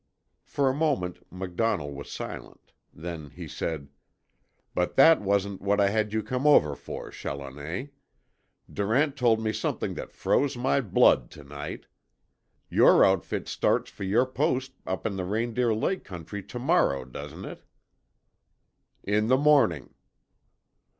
For a moment MacDonnell was silent. Then he said: "But that wasn't what I had you come over for, Challoner. Durant told me something that froze my blood to night. Your outfit starts for your post up in the Reindeer Lake county to morrow, doesn't it?" "In the morning."